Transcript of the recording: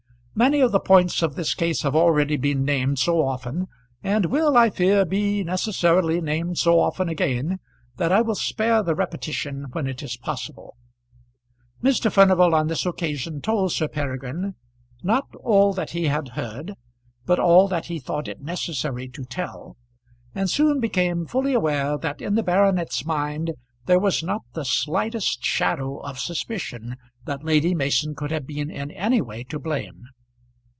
Many of the points of this case have already been named so often, and will, I fear, be necessarily named so often again that I will spare the repetition when it is possible. Mr. Furnival on this occasion told Sir Peregrine not all that he had heard, but all that he thought it necessary to tell, and soon became fully aware that in the baronet's mind there was not the slightest shadow of suspicion that Lady Mason could have been in any way to blame.